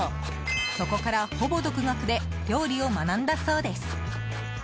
そこからほぼ独学で料理を学んだそうです。